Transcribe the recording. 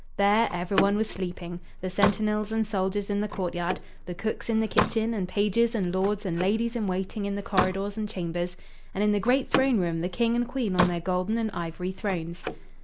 There everyone was sleeping the sentinels and soldiers in the court yard, the cooks in the kitchen, and pages and lords and ladies in waiting in the corridors and chambers; and, in the great throne room the King and Queen on their golden and ivory thrones.